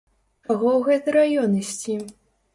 Чаго ў гэты раён ісці?